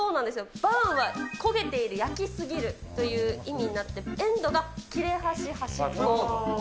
バーンは焦げている、焼きすぎるという意味になって、エンドが切れ端、端っこ。